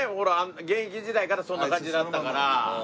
現役時代からそんな感じだったから。